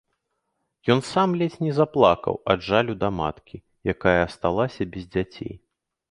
Ён сам ледзь не заплакаў ад жалю да маткі, якая асталася без дзяцей.